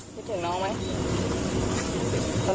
พี่จึงน้องไหม